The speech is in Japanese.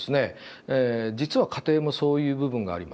実は家庭もそういう部分がありますね。